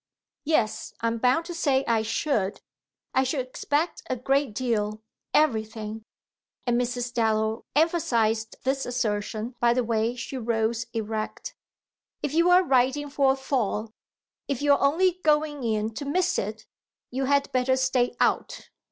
"Yes, I'm bound to say I should! I should expect a great deal everything." And Mrs. Dallow emphasised this assertion by the way she rose erect. "If you're riding for a fall, if you're only going in to miss it, you had better stay out."